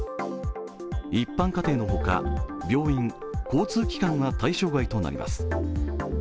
一般家庭の他、病院、交通機関は対象外となります。